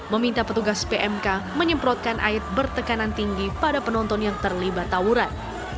meminta petugas pmk menyemprotkan air bertekanan tinggi pada penonton yang terlibat tawuran